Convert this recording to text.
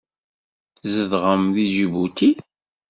Tzedɣem deg Ǧibuti?